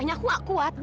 tapi aku gak kuat